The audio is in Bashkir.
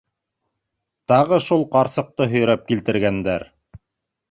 Тағы шул ҡарсыҡты һөйрәп килтергәндәр!